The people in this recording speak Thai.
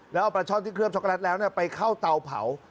แล้วเอาปลาช่อนที่เครื่องช็อกโลตแล้วไปเข้าเตาเผา